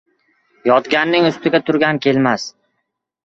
Yotganning ustiga turgan kelmas.